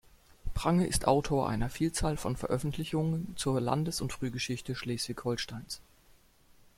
Prange ist Autor einer Vielzahl von Veröffentlichungen zur Landes- und Frühgeschichte Schleswig-Holsteins.